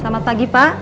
selamat pagi pak